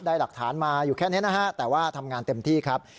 หลักฐานมาอยู่แค่นี้นะฮะแต่ว่าทำงานเต็มที่ครับ